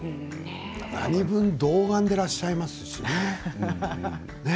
何分童顔でいらっしゃいますしね。